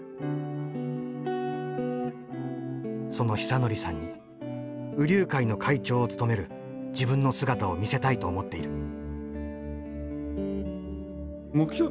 その久典さんに兎龍会の会長を務める自分の姿を見せたいと思っている。